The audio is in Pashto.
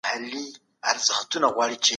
کوم څاروي تر ډېره د انسان ذهني ملګري دي؟